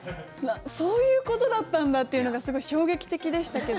そういうことだったんだっていうのがすごい衝撃的でしたけど。